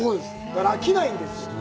だから飽きないんですよ